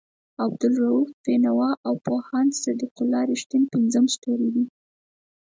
عبالرؤف بېنوا او پوهاند صدیق الله رښتین پنځم ستوری دی.